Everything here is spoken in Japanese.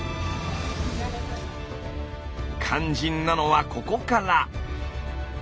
肝心なのはここから。